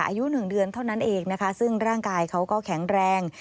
อายุหนึ่งเดือนเท่านั้นเองนะคะซึ่งร่างกายเขาก็แข็งแรง